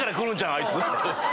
あいつ。